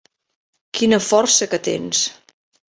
Quina força que tens!